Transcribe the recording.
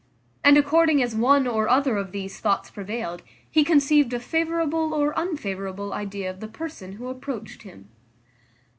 And according as one or other of these thoughts prevailed, he conceived a favourable or unfavourable idea of the person who approached him.